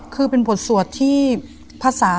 คือเป็นบทสวดที่ภาษา